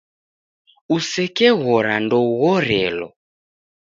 Usekeghora ndoughorelo